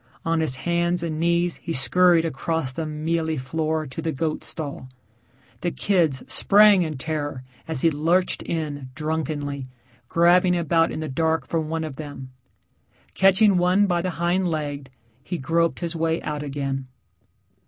On his hands and knees he scurried across the mealy floor to the goat stall. The kids sprang in terror as he lurched in drunkenly, grabbing about in the dark for one of them. Catching one by the hind leg, he groped his way out again.